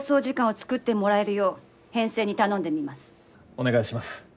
お願いします。